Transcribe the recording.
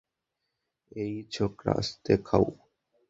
এই, ছোকরা, আস্তে খাও।